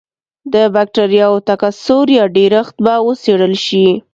د بکټریاوو تکثر یا ډېرښت به وڅېړل شي.